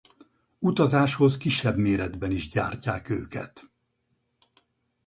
Utazáshoz kisebb méretben is gyártják őket.